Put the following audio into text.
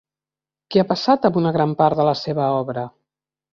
Què ha passat amb una gran part de la seva obra?